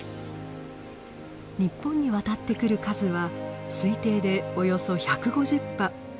日本に渡ってくる数は推定でおよそ１５０羽。